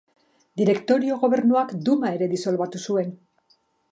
Direktorio-Gobernuak Duma ere disolbatu zuen.